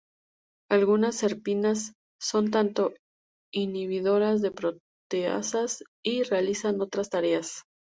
Algunas serpinas son tanto inhibidoras de proteasas y realizan otras tareas.